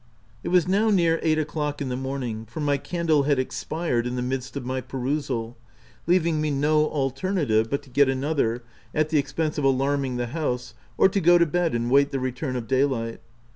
It was now near eight o'clock in the morn ing, for my candle had expired in the midst of my perusal, leaving me no alternative but to get another, at the expense of alarming the house, or to go to bed and wait the return of daylight.